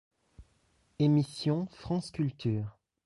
Émission France Culture.